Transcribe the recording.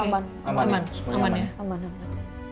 aman aman ya